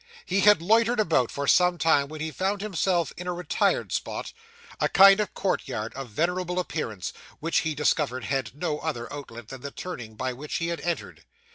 He had loitered about, for some time, when he found himself in a retired spot a kind of courtyard of venerable appearance which he discovered had no other outlet than the turning by which he had entered.